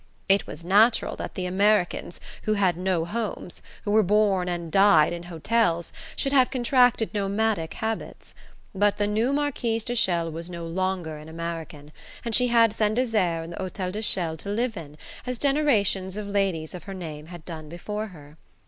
It was natural that the Americans, who had no homes, who were born and died in hotels, should have contracted nomadic habits: but the new Marquise de Chelles was no longer an American, and she had Saint Desert and the Hotel de Chelles to live in, as generations of ladies of her name had done before her.